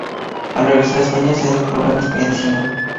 Al regresar a España se doctora en Medicina.